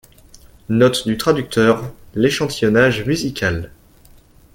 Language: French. Note du traducteur: l’échantillonnage musical.